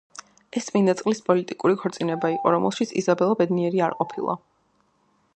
ეს წმინდა წყლის პოლიტიკური ქორწინება იყო, რომელშიც იზაბელა ბედნიერი არ ყოფილა.